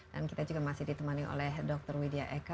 dan kita juga masih ditemani oleh dr widya eka